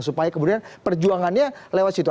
supaya kemudian perjuangannya lewat situ